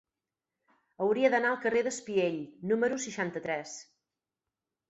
Hauria d'anar al carrer d'Espiell número seixanta-tres.